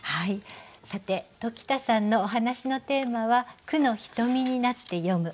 さて鴇田さんのお話のテーマは「『句のひとみ』になって読む」。